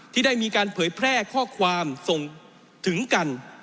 ที่ได้มีการเผยแพร่ข้อความส่งถึงกัน